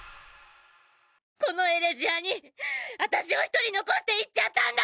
「このエレジアに私を一人残して行っちゃったんだ」